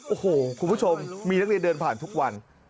โอ้โหคุณผู้ชมมีนักเรียนเดินผ่านทุกวัน